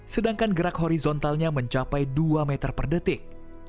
sedangkan gerak horizontalnya mencapai dua meter per detik